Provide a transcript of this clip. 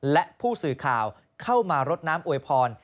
และผู้สื่อข่าวเข้ามารดน้ำอวยพร